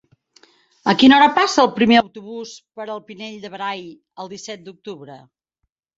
A quina hora passa el primer autobús per el Pinell de Brai el disset d'octubre?